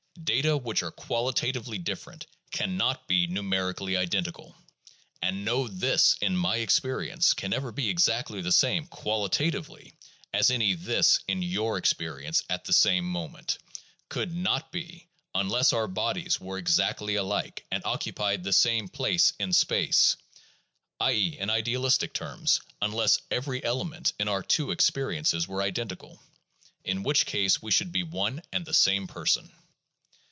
Data which are qualitatively different can not be numeric ally identical; and no "this" in my experience can ever be exactly the same, qualitatively, as any "this" in your experience at the same moment, could not be unless our bodies were exactly alike and occupied the same place in space, i. e., in idealistic terms, unless every element in our two experiences were identical; in which case we should be one and the same person.